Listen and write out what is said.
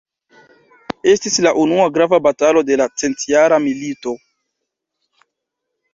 Estis la unua grava batalo de la Centjara milito.